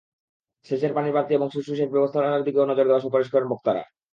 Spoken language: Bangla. সেচের পানিপ্রাপ্তি এবং সুষ্ঠু সেচ ব্যবস্থাপনার দিকেও নজর দেওয়ার সুপারিশ করেন বক্তারা।